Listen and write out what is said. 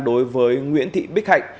đối với nguyễn thị bích hạnh